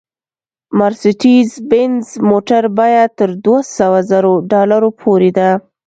مارسېډیز بینز موټر بیه تر دوه سوه زرو ډالرو پورې ده